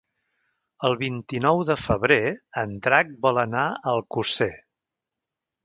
El vint-i-nou de febrer en Drac vol anar a Alcosser.